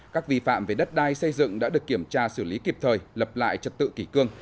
các vi phạm về đất đai xây dựng đã được kiểm tra xử lý kịp thời lập lại trật tự kỷ cương